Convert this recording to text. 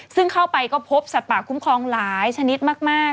ซึ่งเข้าไปก็พบสัตว์ป่าคุ้มครองหลายชนิดมาก